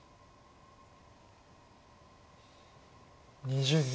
２０秒。